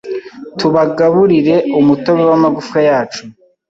tubagaburire umutobe wamagufwa yacu